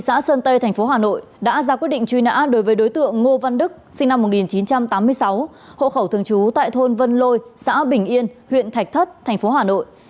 xã bình yên huyện thạch thất tp hà nội